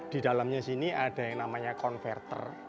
di dalamnya sini ada yang namanya converter